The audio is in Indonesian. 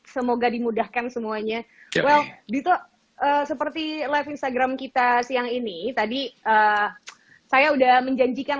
semoga dimudahkan semuanya kalau gitu fungsinya sih terima kasih a charles approved song